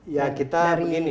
ya kita begini